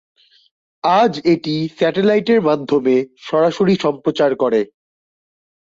আজ এটি স্যাটেলাইটের মাধ্যমে সরাসরি সম্প্রচার করে।